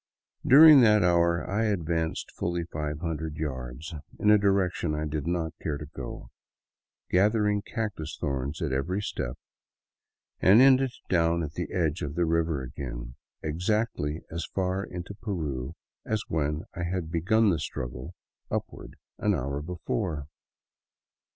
During that hour I advanced fully five hundred yards — in a direction I did not care to go — gathering cactus thorns at every step, and ended down at the edge of the river again, exactly as far into Peru as when I had begun the struggle upward an hour before.